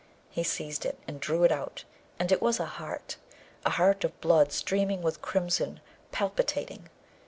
He seized it and drew it out, and it was a heart a heart of blood streaming with crimson, palpitating.